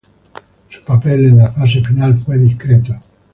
Su papel en la fase final fue discreto.